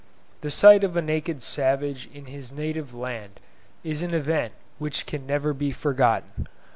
The sight of a naked savage in his native land is an event which can never be forgotten.